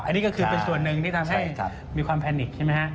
อันนี้ก็คือเป็นส่วนหนึ่งที่ทำให้มีความแพนิกใช่ไหมฮะ